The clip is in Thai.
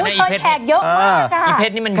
เชิญแขกเยอะมาก